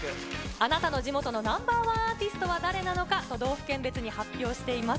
あなたの地元のＮｏ．１アーティストは誰なのか、都道府県別に発表しています。